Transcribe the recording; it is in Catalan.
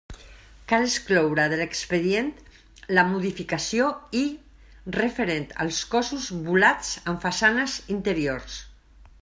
Cal excloure de l'expedient la modificació 'I' referent als cossos volats en façanes interiors.